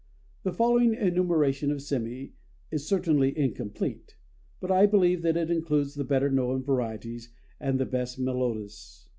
The following enumeration of sémi is certainly incomplete; but I believe that it includes the better known varieties and the best melodists.